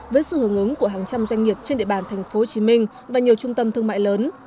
với sự hướng ứng của hàng trăm doanh nghiệp trên địa bàn tp hcm và nhiều trung tâm thương mại lớn